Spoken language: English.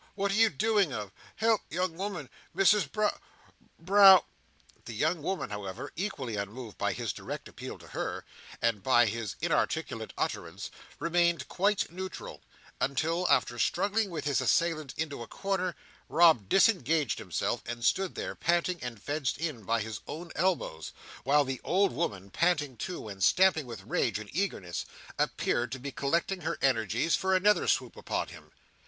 What are you doing of? Help, young woman! Misses Brow—Brow—!" The young woman, however, equally unmoved by his direct appeal to her, and by his inarticulate utterance, remained quite neutral, until, after struggling with his assailant into a corner, Rob disengaged himself, and stood there panting and fenced in by his own elbows, while the old woman, panting too, and stamping with rage and eagerness, appeared to be collecting her energies for another swoop upon him.